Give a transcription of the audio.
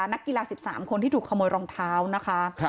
นักกีฬา๑๓คนที่ถูกขโมยรองเท้านะคะ